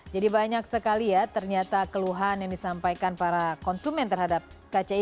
jadi banyak sekali ya ternyata keluhan yang disampaikan para konsumen terhadap kci